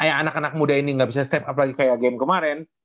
ya anak anak muda ini gak bisa step up lagi kayak game kemarin